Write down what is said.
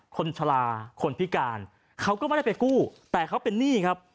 คนชะลาคนพิการเขาก็ไม่ได้ไปกู้แต่เขาเป็นหนี้ครับ